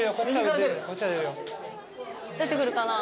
出てくるかな？